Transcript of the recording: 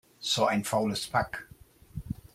So ein faules Pack!